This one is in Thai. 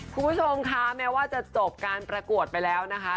คุณผู้ชมคะแม้ว่าจะจบการประกวดไปแล้วนะคะ